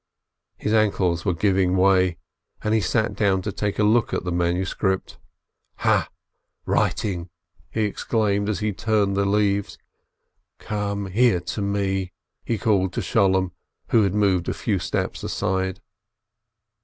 His ankles were giving way, and he sat down to have a look at the manuscript. "Aha! Writing!" he exclaimed as he turned the leaves. "Come here to me," he called to Sholem, who had moved a few steps aside.